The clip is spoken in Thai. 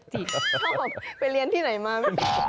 ชอบไปเรียนที่ไหนมา